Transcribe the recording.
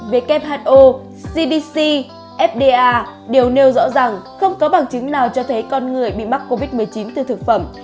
who cdc fda đều nêu rõ rằng không có bằng chứng nào cho thấy con người bị mắc covid một mươi chín từ thực phẩm